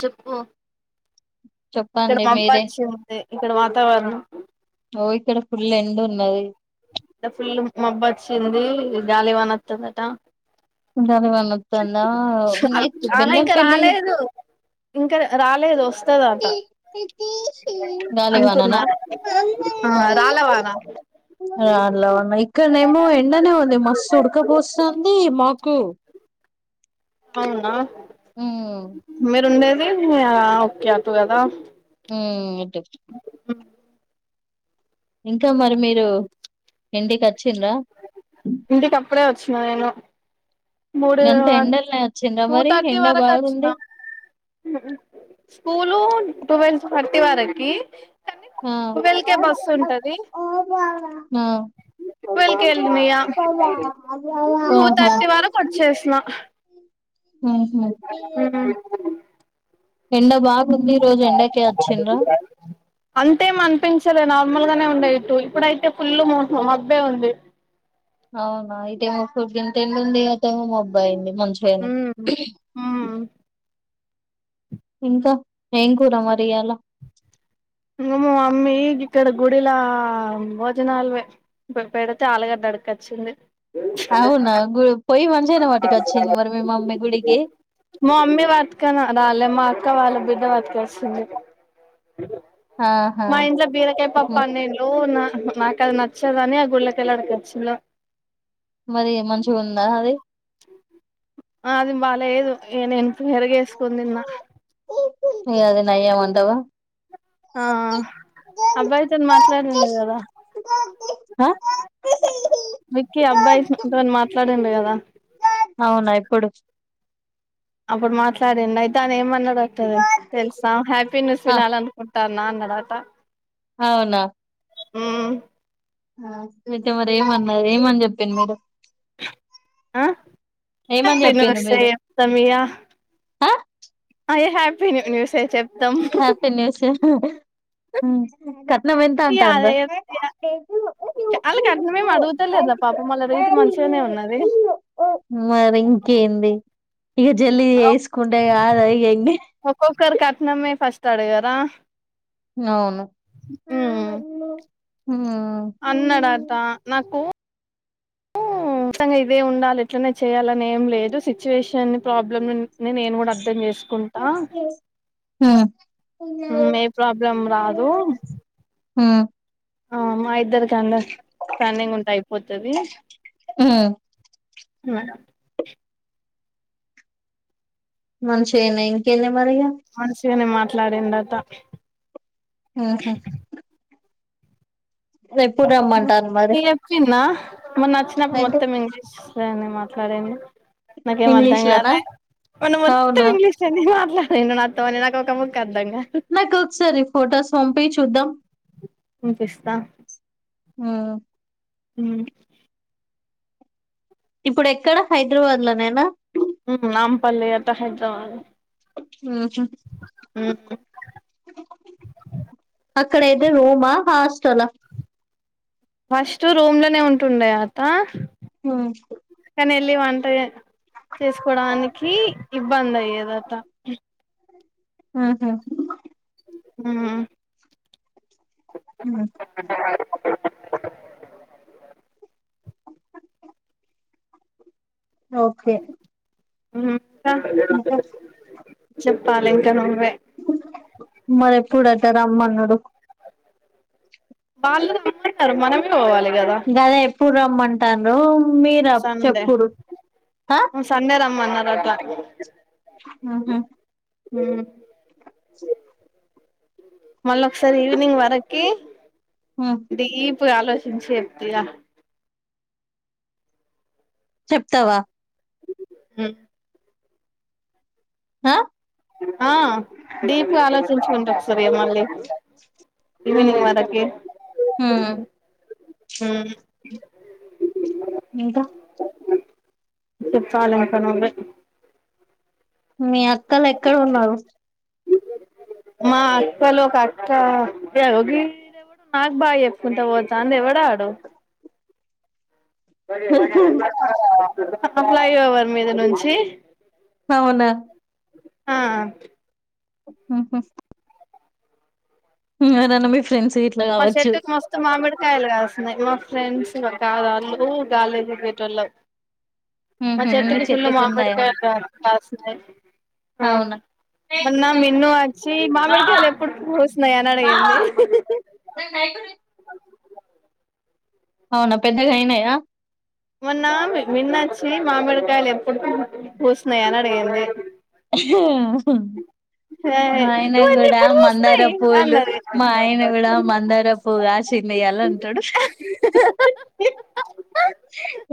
చెప్పు ఇక్కడ చెప్పండి మబ్బు మీరే వచ్చి ఉంది ఇక్కడ వాతావరణం ఓ ఇక్కడ ఫుల్ ఎండ ఉన్నది ఫుల్ మబ్బ వచ్చింది గాలివానా వత్తదట గాలి వానొత్తోందా ఆహా బెల్లం ఇంకా పెల్లి రాలేదు ఇంకా రాలేదు వస్తదట గాలివానలా అంటున్నారు ఆ రాళ్ళ వాన రాళ్ల వాన ఇక్కడనేమో ఎండనే ఉంది మస్తు ఉడకపోస్తోంది మాకు [inaudible] అవునా ఉమ్ మీరు ఉండేది ఓకే అటు కదా హామ్ ఇట్టు అ [inaudible] ఇంకా మరి మీరు ఇంటికి వచ్చిర్రా ఇంటికి అప్పుడే వచ్చిన నేను మూడు గంత ఎండలనే వచ్చిండ్రా టూ మరి థర్టీ ఎండ వరకు వచ్చినా బాగుంది స్కూలు ట్వోవెల్ థర్టీ వరకి కానీ ట్వెల్వ్ కే బస్సు ఉంటది మ్ మ్ ట్వెల్వ్ కే వెళ్ళిన ఇగ హ్మ్ హూ! చేసినా. మ్ హు. ఎండ బాగుంది ఈ రోజు ఎండకే వచ్చిండ్ర్రా అంతేమి అనిపించలేదు, నార్మల్ గానే ఉండే ఇటు, ఇప్పుడయితే ఫుల్ మబ్బే ఉంది. అవునా! అయితే మొత్తం ఇంత ఎండ ఉంది అంత ముబ్బైయింది. మర్చిపోయాను. ఉమ్ ఉమ్ ఇంకా ఏం కూర మరి ఎలా? ఏమో మమ్మీ, ఇక్కడ గుడిలో భోజనాలు పెడితే ఆలుగడ్డ. ఆడకొచ్చింది. అవునా, గు పొయి మంత మ మమ్మీ పట్కన రాలేమ్. మా అక్క వాళ్ళ బిడ్డ బతికేస్తుంది. ఆహా మా ఇంట్లో బీరకాయ ఉమ్, పప్పు నేనొండినా. నాకు అది నచ్చదు అని ఆ గుళ్ళో కెళ్ళి వచ్చిన. మరి మంచిగా ఉందా అది. అది బాగాలేదు. నే పెరగేసుకుని తిన్నా. చట్నీ అది నయమంటావా. ఆ అబ్బాయితో మాట్లాడింది కదా? ఆ విక్కీ, అబ్బాయిస్ంతోని మాట్లాడిండు. కదా అవునా? ఎప్పుడు? అప్పుడు మాట్లాడండు అయితే అతను ఏమన్నాడో తెలుసా హ్యాపీ న్యూస్ ఆ వినాలి అనుకుంటా. నాన్నాడట అవునా మ్! అయితే మరి ఏమన్నాది? ఏమని చెప్పిను మేడమ్ ఉ ఏమని హ్యాపీ చెప్పిండు న్యూసే మీరు చెప్తామిగ. ఆ అదే, హ్యాపీ న్యూసే చెప్తాం. హు హూ. ఉ ఎ కట్. అది వాళ్ళు కత్నమేం అడుగుతా లేదా పాపం వాళ్ళ రీతి మంచిగా. నే ఉన్నది. మరి ఇంకేంది. ఇక జల్లి జేసుకుంటే కాదు ఇక ఎన్ ఒకర్ కట్నమే ఫస్ట్ అడిగారా అవును. అన్నాడాత్తా నాకు అ [inaudible] ఖచ్చితంగా ఇదే ఉండాలి ఇట్లనే చేయాలని ఏం లేదు. సిచ్యువేషన్, ప్రాబ్లమ్ నేను కూడా అర్థం చేసుకును హు. ఉమ్ ప్రాబ్లం రాదు ఆ మా ఇద్దరికి అండర్ స్టాడింగ్ ఉంటే అయిపోతాది. మ్!. మంచి ఏనా ఇంకేంది మరి ఇగ. ఉట్టిగానే మాట్లాడింట. ఉ హు రమ్మంటారు మరి పోయి వచ్చిన్న మొన్నచ్చినప్పు అంటే మొత్తం ఇంగ్లీష్ అతనా మాట్లాడంది. నాకేం అర్ధం ఇంగ్లీష్ లోనా కాలే మొన్న మొత్తం అవును ఇంగ్లీష్ లో నే మాట్లాడా నిన్న నాతోని నాకు ఒక ముక్కా అర్థం కాలేదు. నాకు ఒకసారి ఫొటోస్ పంపి చూద్దాం. వినిపిస్తా. హ్మ్. మ్. ఇప్పుడు ఎక్కడ హైదరాబాద్లోనేనా ఉ నామ్పల్లి అత హైదరాబాద్ ఉహు ఆ అక్కడయితే రూమా హాస్టల్ ఆ ఫస్ట్ రూమ్ లోనే ఉంటుండయా అత హో నెళ్లి వంట చేసుకోడానికి ఇబ్బంది అయ్యేద అట ఉహు ఉ మ్మ్. ఓకే ఉ కా చెప్పాలి ఇంకా నువ్వే మరి ఎప్పుడు అంట రమ్మనడు వాళ్ళది అంటారు మనమే పోవలే గదే ఎప్పుడు రమ్మంటారు మీరు సండే చెప్పుడు ఆ? సండే రమ్మన్నారట మ్మ్హ్మ్. [unintelligible] మళ్ళీ ఒకసారి ఈవినింగ్ వరకి మ్మ్. డీప్గాలోచించి చెప్గా చెప్తావ ఉ హ ఆ డిప్గాలోచించుకుం ఒకసారి మళ్ళీ మ్మ్. ఈవనింగ్ వరకి మ్మ్. ఉ ఇంక చెప్పాలి ఇంకా నువ్వే మీ అక్కలు ఎక్కడ ఉన్నారు మా అక్కలు ఒక్క అక్క ఎలోకి నాకు బాయ్ చెప్పుకుంటా పోతా అంది ఎవడాడు ఫ్లై ఓవర్ మీద నుంచి అవున ఆ ఉహు ఎవరన్న మీ ఫ్రెండ్స్ ఇట్లా కావచ్చు కాయలు రాస్తున్నాయి మా ఫ్రెండ్స్ మా కా వాళ్ళు కాలజకేట వాళ్ళు మ ఉహు మీ చెటుకి ఫుల్ చెట్టుకు కాసినయ్ అవున మోన్న మిన్ను వచ్చి మామిడికాయలు ఎప్పుడు పూసినయ్ అని అడిగింది అయకు [inaudible] అవునా పెద్దగైనయా మొన్న మిన్నచ్చి మామిడికాయలు ఎప్పుడు పూసినయ అని అడిగింది [unintelligible] ఆ మా ఆయన ఇవన్నీ కూడా ఎప్పుడు మందార పూస్తున్నాయి పూలు అన్నది మా ఆయన కూడా మందార పూ కాస్ తిన్నాయాలి అంటాడు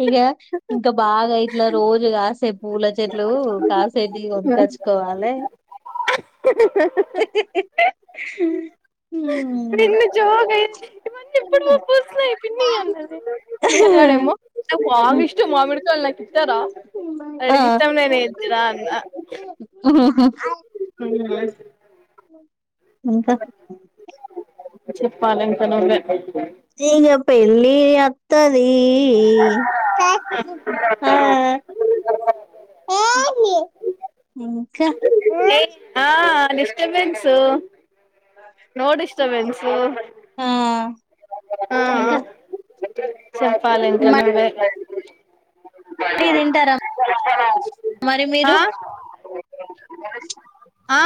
ఇక ఇంకా బాగా ఇట్లా రోజు కాస్త అంటే పూల చెట్లు కాసేటివి కొనుక్కోచ్చు కోవాలి ఇ హా హా హా విన్న జొక్ ఇంద హ పూసినయ్ పిన్ని అన్నాడు వాడు ఏమో నాకు బా ఇష్టం మామిడికాయలు ఇస్తారా ఆ అడికి ఇష్టం నేనే ఎతిరా అన్నా అయ్ మ్మ్ ఇంకా చెప్పాల ఇంకా నువ్వే ఆ ఇంగ ఎళ్ళి యత్ వత్తదీ ఇ ఇ ఇ... తా హ అ [unintelligible] ఏందీ ఇంకా ఏమ్మా డిస్టబెన్సు నో డిస్టబెన్సు అ.. ఆ ఆ.. ఆ. ఇంకా చెప్పాలి ఇంకా నువ్వే మండి తింటార మరి ఆ మీరు ఆ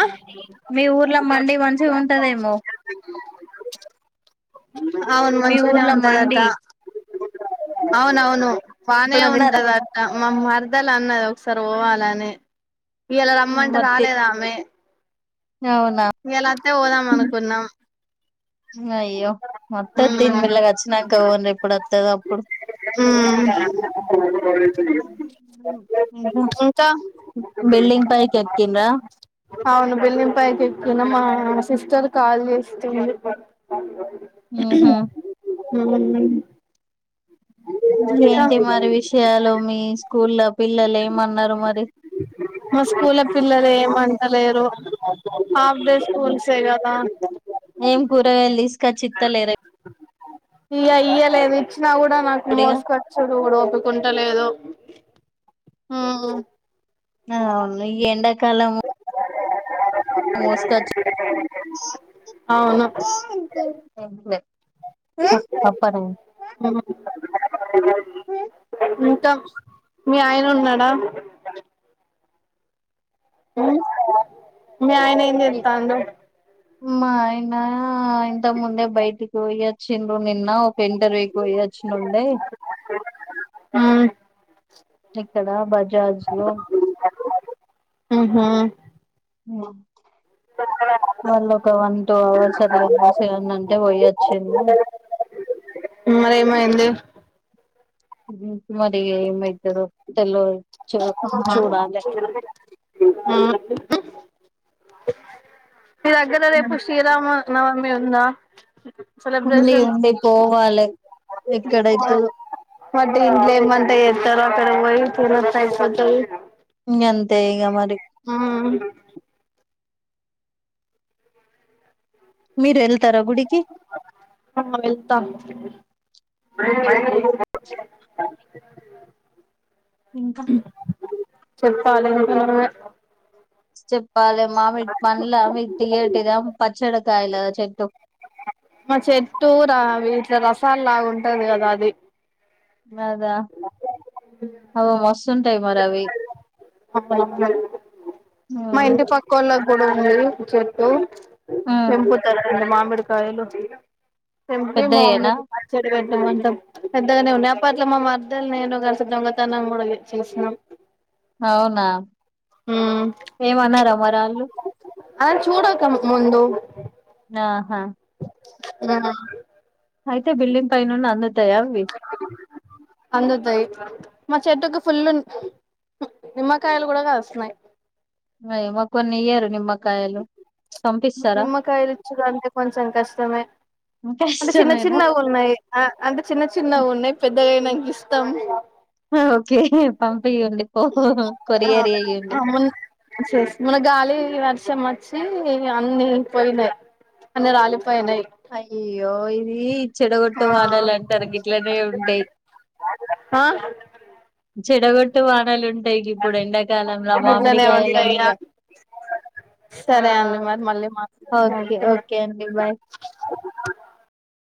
మీ ఊర్లో మండి మంచిగా ఉంటదేమో అవును మీ మంచిగానే ఊర్ల మండి ఉంటదట అవునవును బానే ఎప్పుడైనా తిన్నారా ఉంటాదంటమా మరదలు అన్నది ఒకసారి పోవాల ని ఇవాళ రమ్మంటే మత్తి రాలేద ఆమె అవునా ఇయాల అత్తే పోదాం అనుకున్నాం అయ్యో అత్త ది తియ్ మ్మ్ మెల్లగా వచ్చినాక పోండ్రి ఎప్పుడు వత్తదొ అప్పుడు [inaudible] మ్మ్ [unintelligible] ఇంకా బిల్డింగ్ పైకి ఎక్కిండ్రా అవును బిల్డింగ్ పై కి ఎక్కినం మా సిస్టర్ కల్ చేస్తూంది ఊ హు [unintelligible] ఇంకా ఇంకేంటి మరి విషయాలు మీ స్కూల్ లో పిల్లలు ఏమన్నారు మరి [inaudible] మా స్కూల్ పిల్లలు ఏమంటలేరు ఆప్ డే స్కూల్స్ ఏ కదా ఏం కూరగాయలు తీసుకొచ్చి ఇత్తలేరా ఇ య యే లేదు ఇచ్చినా కూడా నాకు ఇప్పుడిగా మోసుకొచ్చె ఓపిక కూడ లేదు అ ఆ అవును లే ఈ ఎండాకాలము [inaudible] ఆ మసుకొచ్చ ఎ అవును ఏంది మ ఇది పప్పు అట వెయ్ ఇంకా మీ ఆయన ఉన్నాడా హు మీ ఆయన ఏం చెస్తాండు మా ఆయన ఇంతకు ముందే బయటికి పోయ వచ్చిండు నిన్న టెండర్ అయిపొయ్యి వచ్చిన నుండే ఇక్కడ బజాజ్ లో హ్ హు హ్మ్ సర్ [unintelligible] వాళ్ళు ఒక వన్ టూ అవర్స్ అట్లా చూసేవాని అంటే పోయి వచ్చిళ్లు మా రేమ ఇప్పుడు వాడు ఏమైతదో తెలవదు [inaudible] మీ దగ్గర రేపు శ్రీరామనవమి ఉందా ఉంది సెలబ్రేషన్ ఉంది పోవాలి ఎక్కడైతే [unintelligible] ఇంగ అంతే ఇగ మరి ఆ మీరు ఎల్ [unintelligible] వెళ్తాం [inaudible] ఇంకా చెప్పాలి ఇంకా నువ్వే చెప్పాలి మామిడి పండ్లు మీరు [unintelligible] చెనకాయలు చెట్టు మా చెట్టు రా వీట్ల రసాలు లాగా ఉంటది కదా అది అదా అవి మస్తుంటాయి మరి అవి [inaudible] మా మ్మ్ ఇంటి పక్కవ వాళ్ళ కూడా ఉంది చెట్టు మ్మ్ తెంపుతార అండి మామిడి కాయలు తెంపి మామిడి పెద్దయేనా పచ్చడి పెట్టీ తెమ్మంటం పెద్దగానే ఉన్నాయా అప్పట్లో మా మారదాలు నేను కలిసి దొంగతనం కూడా చేసినాం అవునా ఉమ్ ఏమీ అనరా మరి వాళ్ళు ఆ చూడక ముందు ఆహా ఆ అయితే బల్డింగ్ పైనండి అందదు అందదు హైట్ మా చెట్టుకి ఫుల్ నిమ్మకాయలు కూడా కాసినాయి అయ్ మాకు కొన్ని ఇయర్రి నిమ్మకాయలు పంపిస్తారా నిమ్మకాయలు ఇచ్చుడూ అంటే కొంచెం కష్టమే అంటే చిన్న కష్టమేనా చిన్న ఉన్నాయి అంటే చిన్న చిన్న ఉన్నాయి పెద్దగైనంక ఇస్తాం ఓకే పమ్ [unintelligible] గాలి వర్షం వచ్చి అన్ని పోయినాయి అన్ని రాలిపో అయ్యోయ్యో ఇది చెడగొట్టు ఆ వానాల అంటారు గట్లనే ఉంటాయి ఆ చెడగొట్టు వానలు ఉంటాయి ఇక ఇప్పుడు ఎండాకాలంలో గిట్లనే మామిడికాయలు అన్ని ఇగ ఉంటాయిగా ఆ సరే అండి మరి మళ్ళీ ఓకే మాట్లాడతా ఓకే అండి బాయ్ [inaudible]